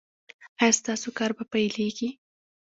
ایا ستاسو کار به پیلیږي؟